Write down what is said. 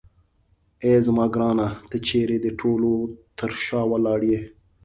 اې زما ګرانه ته چیرې د ټولو تر شا ولاړ یې.